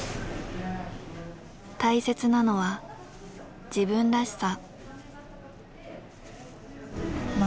大切なのは自分らしさ。